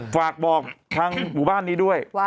ฝากบอกทางหมู่บ้านนี้ด้วย